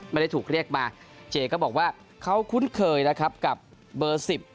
ไม่ได้ถูกเรียกมาเจก็บอกว่าเขาคุ้นเคยนะครับกับเบอร์สิบ